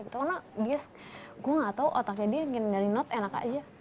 karena gue gak tau otaknya dia yang nginari note enak aja